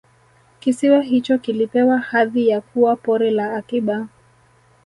kisiwa hicho kilipewa hadhi ya kuwa Pori la Akiba